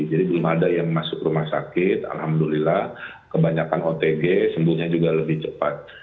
jadi belum ada yang masuk rumah sakit alhamdulillah kebanyakan otg sembuhnya juga lebih cepat